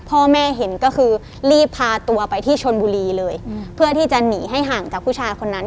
พ่อแม่เห็นก็คือรีบพาตัวไปที่ชนบุรีเลยเพื่อที่จะหนีให้ห่างจากผู้ชายคนนั้น